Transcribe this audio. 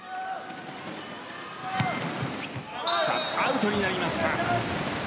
アウトになりました。